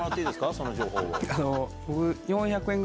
その情報を。